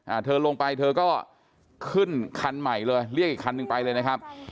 อ่าเธอลงไปเธอก็ขึ้นคันใหม่เลยเรียกอีกคันหนึ่งไปเลยนะครับ